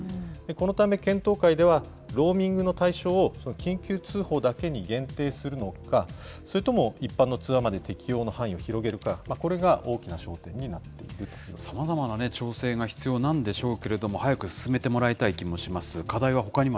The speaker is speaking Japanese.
このため、検討会では、ローミングの対象を緊急通報だけに限定するのか、それとも一般の通話まで適用の範囲を広げるか、これが大きな焦点になっているということさまざまな調整が必要なんでしょうけれども、早く進めてもらいたい気もします。